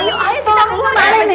iyah asik sampe apparently cosi